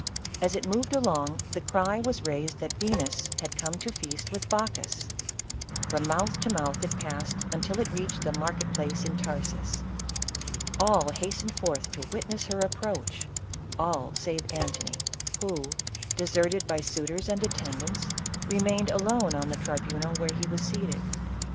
As it moved along, the cry was raised, that Venus had come to feast with Bacchus. From mouth to mouth it passed, until it reached the market place in Tarsus. All hastened forth to witness her approach, — all save Antony, who, deserted by suitors and attendants, re mained alone on the tribunal where he was seated.